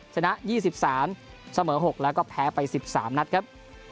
ชนะ๒๓เสมอ๖และแพ้ขึ้น๑๓นัดครับ